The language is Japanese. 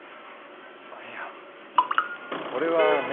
あっいやこれはね